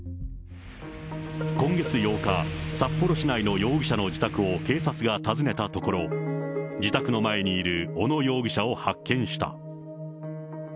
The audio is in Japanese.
今月８日、札幌市内の容疑者の自宅を警察が訪ねたところ、自宅の前にいる小野容疑者を発見した。